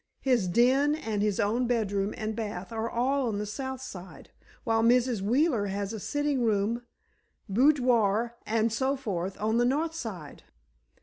His den and his own bedroom and bath are all on the south side, while Mrs. Wheeler has a sitting room, boudoir, and so forth, on the north side.